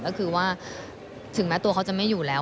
ก็คือว่าถึงแม้ตัวเขาจะไม่อยู่แล้ว